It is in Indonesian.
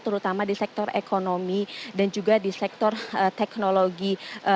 terutama di sektor ekonomi dan juga di sektor teknologi